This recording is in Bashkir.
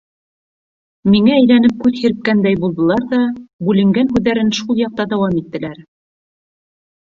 Миңә әйләнеп күҙ һирпкәндәй булдылар ҙа, бүленгән һүҙҙәрен шул яҡта дауам иттеләр: